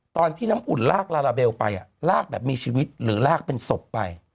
ตอนที่น้ำอุ่นลากลาลาเบลไปลากแบบมีชีวิตหรือลากเป็นศพไป